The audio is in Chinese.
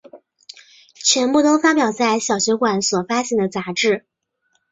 全部都发表在小学馆所发行的杂志。